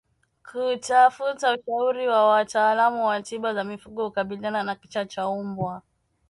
Kutafuta ushauri wa wataalamu wa tiba za mifugo hukabiliana na kichaa cha mbwa